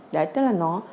đấy tức là nó